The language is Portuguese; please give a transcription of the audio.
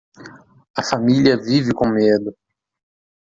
A família vive com medo